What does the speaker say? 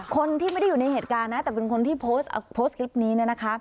คนที่ไม่ได้อยู่ในเหตุการณ์นะแต่เป็นคนที่โพสต์คลิปนี้เนี่ยนะคะ